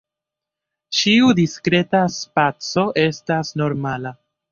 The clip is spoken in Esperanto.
Ĉiu diskreta spaco estas normala.